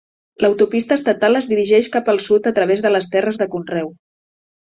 L'autopista estatal es dirigeix cap al sud a través de les terres de conreu.